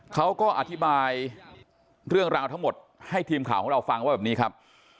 เขาก็อธิบายเรื่องราวทั้งหมดให้ทีมข่าวของเราฟังว่าแบบนี้ครับ